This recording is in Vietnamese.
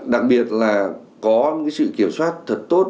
đặc biệt là có sự kiểm soát thật tốt